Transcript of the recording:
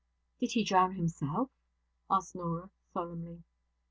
'Did he drown himself?' asked Norah, solemnly.